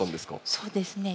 そうですね。